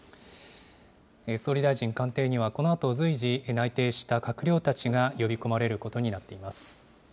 総理大臣官邸には、このあと随時、内定した閣僚たちが呼びこまれることになっています。